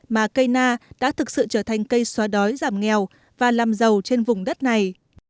mà cây na đã thực sự trở thành cây xóa đói giảm nghèo và làm giàu trên vùng đất này